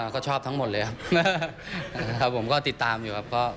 ก็ชอบทั้งหมดเลยครับผมก็ติดตามอยู่ครับ